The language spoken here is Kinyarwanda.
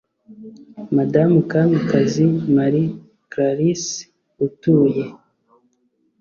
Madamu kamikazi marie clarice utuye